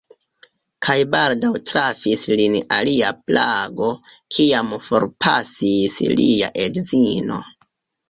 Kaj baldaŭ trafis lin alia plago, kiam forpasis lia edzino.